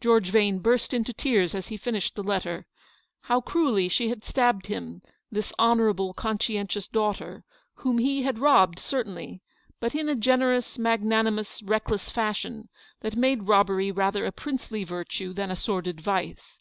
George Yane burst into tears as he finished the letter. How cruelly she had stabbed him, this honourable, conscientious daughter, whom he had robbed certainly, but in a generous, magnanimous, reckless fashion, that made robbery rather a princely virtue than a sordid vice.